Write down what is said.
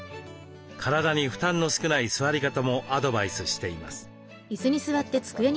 体に負担の少ない座り方もアドバイスしています。